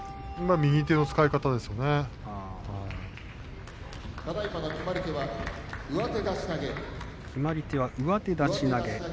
右手の決まり手は上手出し投げ。